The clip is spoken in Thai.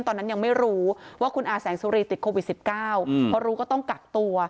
ตอนนั้นยังไม่รู้ว่าคุณอาแสงสุรีติดโควิด๑๙เพราะรู้ก็ต้องกักตัว